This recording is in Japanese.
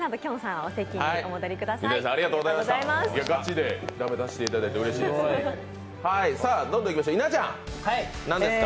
ガチで駄目出ししていただいてうれしいです。